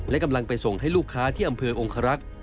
และกำลังไปส่งให้ลูกค้าที่อำเภอองครักษ์